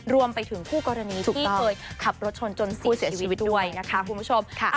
รวมไปถึงคู่กรณีที่เคยขับรถชนจนเสียชีวิตด้วยนะคะคุณผู้ชม